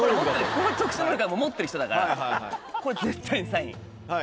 この特殊能力は持ってる人だからこれ絶対に３位。